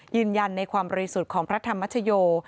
ยืนยันในความบริสุทธิ์ของพระธรรมชโย